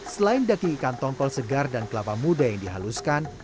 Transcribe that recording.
selain daging ikan tongkol segar dan kelapa muda yang dihaluskan